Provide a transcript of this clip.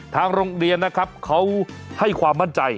ทางโรงเรียนนะครับเขาให้ความมั่นใจ